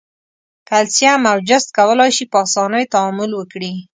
کلسیم او جست کولای شي په آساني تعامل وکړي.